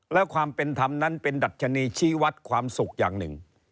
และความเป็นธรรมนั้นเป็นดัชนีชี้วัดความสุขอย่างหนึ่ง